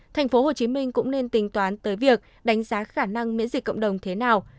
thành phố hồ chí minh cũng nên tính toán tới việc đánh giá khả năng miễn dịch cộng đồng thế nào